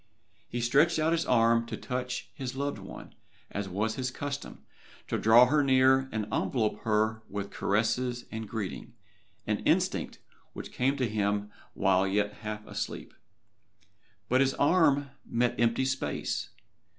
He stretched out his arm to touch his loved one, as was his custom, to draw her near and envelop her with caresses and greeting an instinct which came to him while yet half asleep. But his arm met empty space.